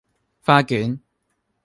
花卷